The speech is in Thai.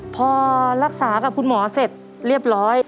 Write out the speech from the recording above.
พอรักษากับคุณหมอเสร็จเรียบร้อย